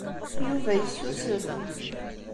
Yuba yessusef.